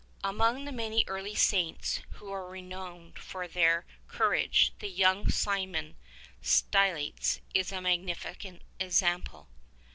Among the many early saints who are renowned for their courage, the young Simeon Stylites is a magnificent example.